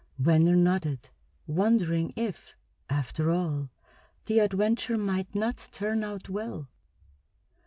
Venner nodded, wondering if, after all, the adventure might not turn out well.